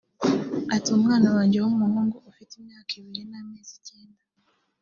Ati “ Umwana wanjye w’umuhungu ufite imyaka ibiri n’amezi icyenda